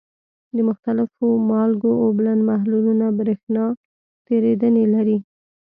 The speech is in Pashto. د مختلفو مالګو اوبلن محلولونه برېښنا تیریدنې لري.